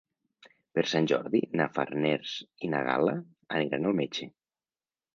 Per Sant Jordi na Farners i na Gal·la aniran al metge.